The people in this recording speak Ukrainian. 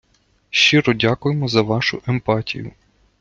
Щиро дякуємо за вашу емпатію.